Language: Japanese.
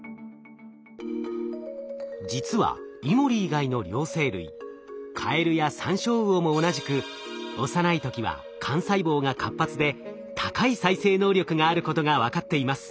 実はイモリ以外の両生類カエルやサンショウウオも同じく幼い時は幹細胞が活発で高い再生能力があることが分かっています。